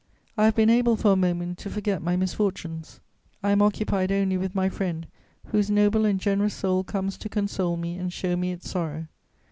I have been able for a moment to forget my misfortunes. I am occupied only with my friend, whose noble and generous soul comes to console me and show me its sorrow.